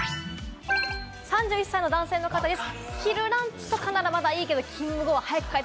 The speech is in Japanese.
３１歳男性の方です。